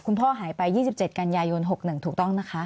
คุณพ่อหายไป๒๗กันยายน๖หนึ่งถูกต้องนะคะ